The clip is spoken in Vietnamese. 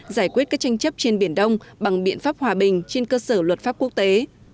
giải quyết các tranh chấp trên biển đông bằng biện pháp hòa bình trên cơ sở luật pháp quốc tế